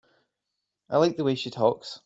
I like the way she talks.